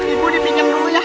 ibu dipinjam dulu ya